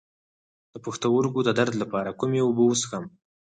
د پښتورګو د درد لپاره کومې اوبه وڅښم؟